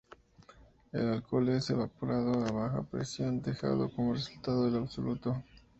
El alcohol es evaporado a baja presión, dejando como resultado el absoluto.